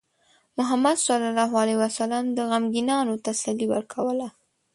محمد صلى الله عليه وسلم د غمگینانو تسلي ورکوله.